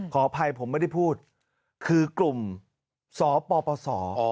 ขออภัยผมไม่ได้พูดคือกลุ่มสปส